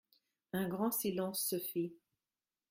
Un grand silence se fit.